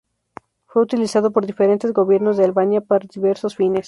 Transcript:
Fue utilizado por diferentes gobiernos de Albania para diversos fines.